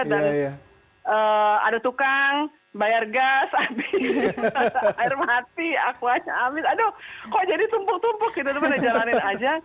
dan ada tukang bayar gas air mati aku aja ambil aduh kok jadi tumpuk tumpuk gitu jalanin aja